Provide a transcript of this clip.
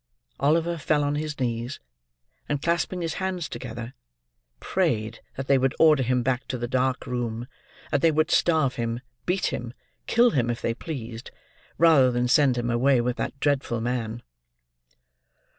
Oliver fell on his knees, and clasping his hands together, prayed that they would order him back to the dark room—that they would starve him—beat him—kill him if they pleased—rather than send him away with that dreadful man.